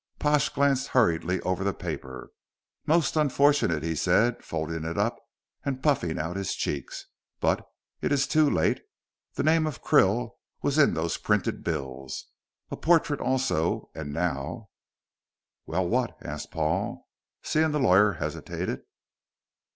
Pash glanced hurriedly over the paper. "Most unfortunate," he said, folding it up and puffing out his cheeks; "but it's too late. The name of Krill was in those printed bills a portrait also, and now " "Well, what?" asked Paul, seeing the lawyer hesitated.